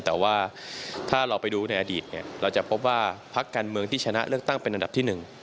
แต่ว่าถ้าเราไปดูในอดีตเราจะพบว่าพักการเมืองที่ชนะเลือกตั้งเป็นอันดับที่๑